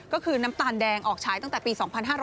ก็คือน้ำตาลแดงออกฉายตั้งแต่ปี๒๕๕๙